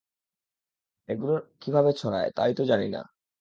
এগুলোর কীভাবে ছাড়ায়, তাই তো জানি না।